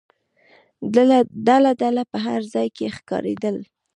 ډله ډله په هر ځای کې ښکارېدل.